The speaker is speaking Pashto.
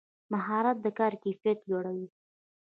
مهارت د کار کیفیت لوړوي